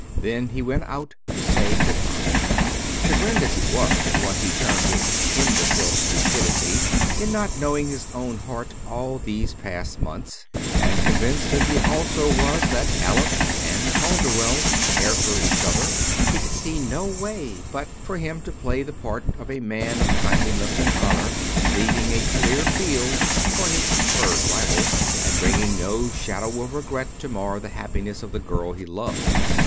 Then he went out to say good by. Chagrined as he was at what he termed his imbecile stupidity in not knowing his own heart all these past months, and convinced, as he also was, that Alice and Calderwell cared for each other, he could see no way for him but to play the part of a man of kindliness and honor, leaving a clear field for his preferred rival, and bringing no shadow of regret to mar the happiness of the girl he loved.